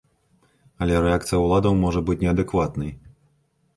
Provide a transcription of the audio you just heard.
Але рэакцыя ўладаў можа быць неадэкватнай.